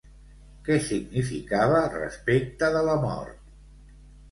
Què significava respecte de la mort?